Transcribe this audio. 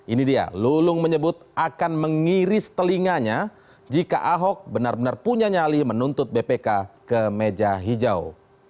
ini dia lulung menyebut akan mengiris telinganya jika ahok benar benar punya nyali menuntut bpk ke meja hijau